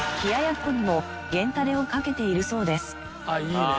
あっいいね！